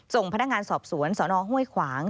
ส่งพนักงานสอบสวนสนห้วยขวาง